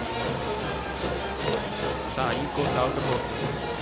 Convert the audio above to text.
インコース、アウトコース